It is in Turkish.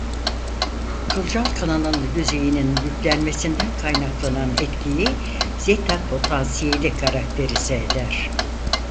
Kılcal kanalın yüzeyinin yüklenmesinden kaynaklanan etkiyi zeta potansiyeli karakterize eder.